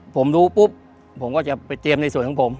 ผมรู้ปุ๊บผมก็จะไปเตรียมในส่วนของผม